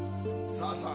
さあさあ。